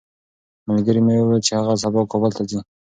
ملګري مې وویل چې هغه سبا کابل ته ځي.